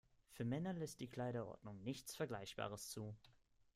Für Männer lässt die Kleiderordnung nichts Vergleichbares zu.